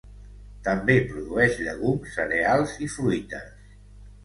També produeix llegums, cereals i fruites.